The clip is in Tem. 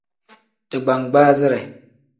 Digbangbaazire.